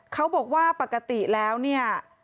เขาบอกว่าปกติแล้วเนี่ย